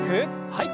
はい。